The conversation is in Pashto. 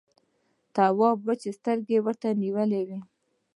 تواب وچې سترګې ورته نيولې وې.